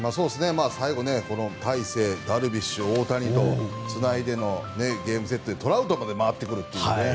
最後、大勢、ダルビッシュ大谷とつないでのゲームセットでトラウトまで回ってくるという。